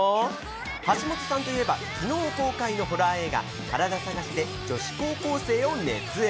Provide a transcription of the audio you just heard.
橋本さんといえば、きのう公開のホラー映画、カラダ探しで女子高校生を熱演。